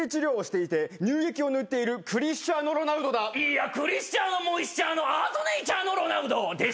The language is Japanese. いやクリスティアーノ・モイスチャーノ・アートネイチャーノ・ロナウドでした。